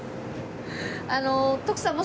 あの徳さん